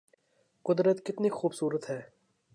قدرت کتنی خوب صورت ہے